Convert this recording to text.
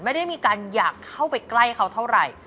ไม่ได้มีการอยากเข้าไปใกล้เขาเท่าไหร่